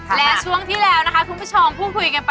และช่วงที่แล้วนะครับคุณผู้ชม